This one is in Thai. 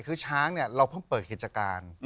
คือช้างเนี่ยเราเพิ่งเปิดกิจการ